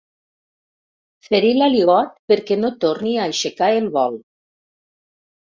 Ferir l'aligot perquè no torni a aixecar el vol.